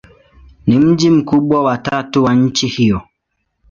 Ni mji mkubwa wa tatu wa nchi hiyo.